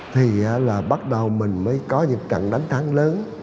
thì là bắt đầu mình mới có những trận đánh thắng lớn